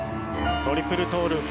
トリプルトーループ。